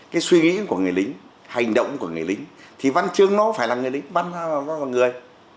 cái suy nghĩ của người lính hành động của người lính thì văn chương nó phải là người lính văn chương nó là người